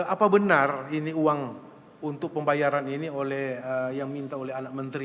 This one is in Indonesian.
apa benar ini uang untuk pembayaran ini oleh yang minta oleh anak menteri